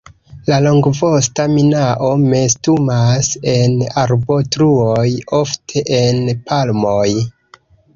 La Longvosta minao nestumas en arbotruoj, ofte en palmoj.